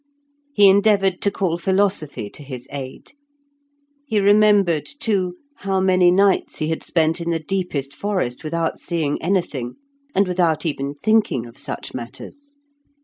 He endeavoured to call philosophy to his aid; he remembered, too, how many nights he had spent in the deepest forest without seeing anything, and without even thinking of such matters.